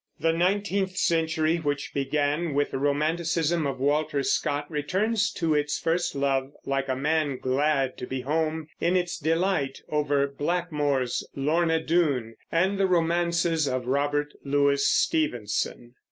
The nineteenth century, which began with the romanticism of Walter Scott, returns to its first love, like a man glad to be home, in its delight over Blackmore's Lorna Doone and the romances of Robert Louis Stevenson.